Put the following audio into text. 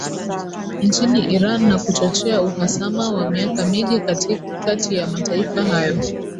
nchini Iran na kuchochea uhasama wa miaka mingi kati ya mataifa hayo